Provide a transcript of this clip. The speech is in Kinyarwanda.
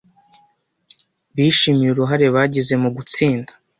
bishimiye uruhare bagize mu gutsinda